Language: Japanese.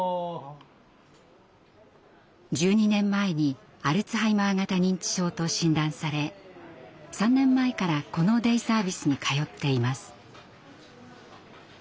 １２年前にアルツハイマー型認知症と診断され３年前からこのデイサービスに通っています。